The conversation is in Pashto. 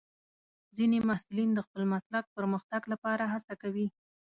ځینې محصلین د خپل مسلک پرمختګ لپاره هڅه کوي.